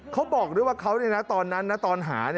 เขาบอกด้วยว่าเขาตอนนั้นตอนหา